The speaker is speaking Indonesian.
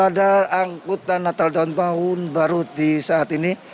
pada angkutan natal dan tahun baru di saat ini